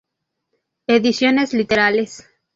Ediciones Literales.